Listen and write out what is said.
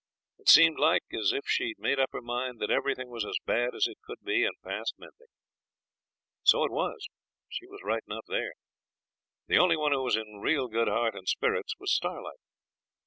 It seemed like as if she'd made up her mind that everything was as bad as it could be, and past mending. So it was; she was right enough there. The only one who was in real good heart and spirits was Starlight.